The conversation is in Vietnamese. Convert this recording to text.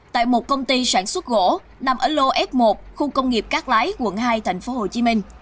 tại một công ty sản xuất gỗ nằm ở lô f một khu công nghiệp cát lái quận hai tp hcm